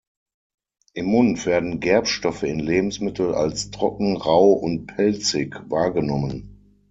Im Mund werden Gerbstoffe in Lebensmitteln als trocken, rau und pelzig wahrgenommen.